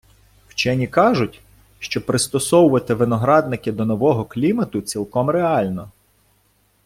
Вчені кажуть, що пристосувати виноградники до нового клімату цілком реально.